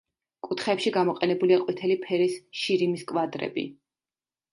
კუთხეებში გამოყენებულია ყვითელი ფერის შირიმის კვადრები.